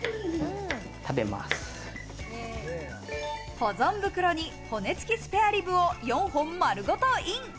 保存袋に骨付きスペアリブを４本丸ごとイン。